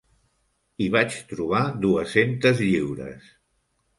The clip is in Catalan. Hi vaig trobar dues-centes lliures.